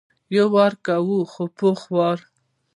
یو وار کوو خو پوخ وار.